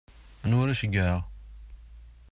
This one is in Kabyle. Anwa ara ceggɛeɣ?